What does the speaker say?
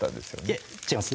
いえ違います